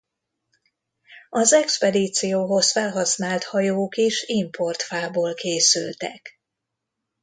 Az expedícióhoz felhasznált hajók is import fából készültek.